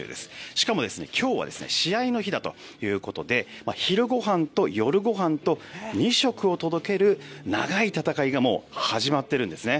しかも今日は試合の日だということで昼ごはんと夜ごはんと２食を届ける長い戦いがもう始まっているんですね。